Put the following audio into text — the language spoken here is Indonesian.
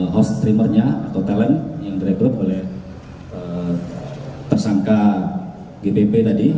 host streamernya atau talent yang direkrut oleh tersangka gpp tadi